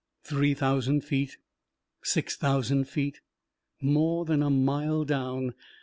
Three thousand feet! Six thousand feet! More than a mile down!